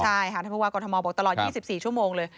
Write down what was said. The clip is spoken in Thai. ใช่ค่ะท่านผู้ว่ากรทมบอกตลอด๒๔ชั่วโมงเลย